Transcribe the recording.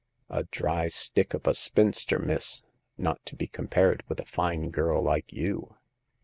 A dry stick of a spinster, miss ; not to be compared with a fine girl like you."